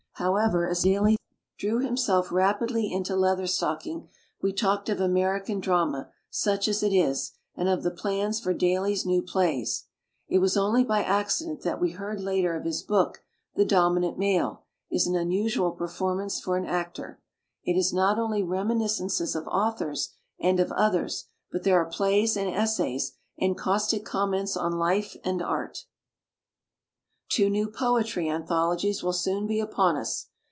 However, as Daly drew himself rapidly into leather stocking we talked of American drama, such as it is, and of the plans for Daly's new plays. It was only by acci dent that we heard later of his book. "The Dominant Male" is an unusual performance for an actor. It is not only reminiscences of authors and of others; but there are plays and es says, and caustic comments on life and art. Two new poetry anthologies will soon be upon us.